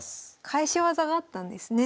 返し技があったんですね。